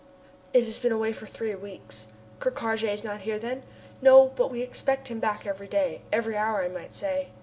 "It has been away for three weeks." "Ker Karraje is not here, then?" "No, but we expect him back every day every hour, I might say."